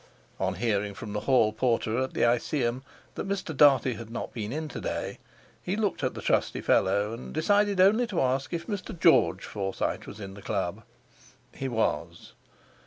On hearing from the hall porter at the Iseeum that Mr. Dartie had not been in to day, he looked at the trusty fellow and decided only to ask if Mr. George Forsyte was in the Club. He was.